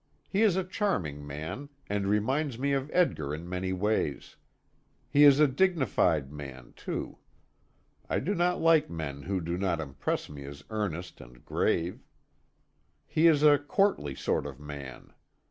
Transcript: He is a charming man, and reminds me of Edgar in many ways. He is a dignified man, too. I do not like men who do not impress me as earnest and grave. He is a courtly sort of man.